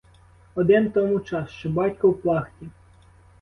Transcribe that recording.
Один тому час, що батько в плахті!